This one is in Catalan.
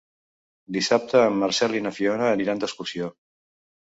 Dissabte en Marcel i na Fiona aniran d'excursió.